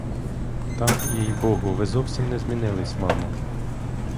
Та, їй-богу, ви зовсім не змінились, мамо!